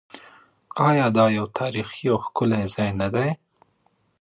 آیا دا یو تاریخي او ښکلی ځای نه دی؟